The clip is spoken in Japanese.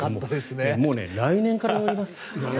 もう来年から載ります。